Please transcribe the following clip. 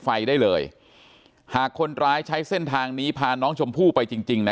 ไฟได้เลยหากคนร้ายใช้เส้นทางนี้พาน้องชมพู่ไปจริงจริงนะ